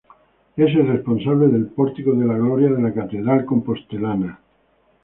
Es el responsable del Pórtico de la Gloria de la catedral compostelana.